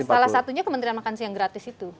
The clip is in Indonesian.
salah satunya kementerian makan siang gratis itu